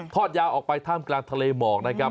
อดยาวออกไปท่ามกลางทะเลหมอกนะครับ